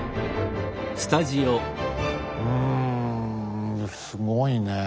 うんすごいねえ。